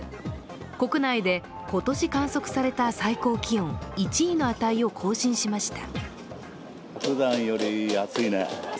国内で今年観測された最高気温１位の値を更新しました。